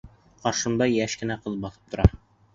Ҡаршымда йәш кенә ҡыҙ баҫып тора.